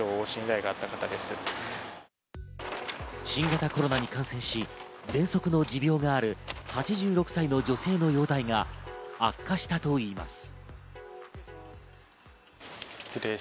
新型コロナに感染し、ぜんそくの持病がある８６歳の女性の容体が悪化したといいます。